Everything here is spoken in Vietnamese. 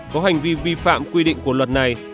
có hành vi vi phạm quy định của luật này